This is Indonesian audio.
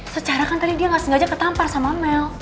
secara kan tadi dia nggak sengaja ketampar sama mel